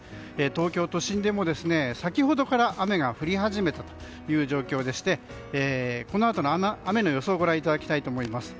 東京都心でも先ほどから雨が降り始めた状況でこのあとの雨の予想をご覧いただきたいと思います。